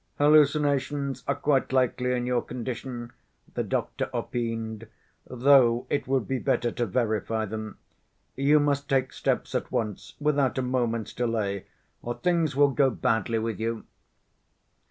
"Hallucinations are quite likely in your condition," the doctor opined, "though it would be better to verify them ... you must take steps at once, without a moment's delay, or things will go badly with you."